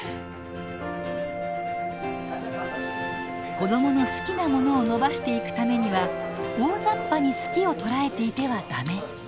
子どもの好きなものを伸ばしていくためには大ざっぱに「好き」を捉えていては駄目。